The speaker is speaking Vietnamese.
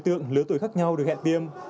các đối tượng lứa tuổi khác nhau được hẹn tiêm